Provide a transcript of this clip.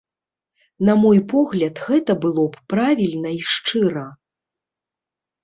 На мой погляд, гэта было б правільна і шчыра.